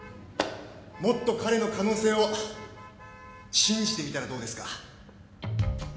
もっと彼の可能性を信じてみたらどうですか？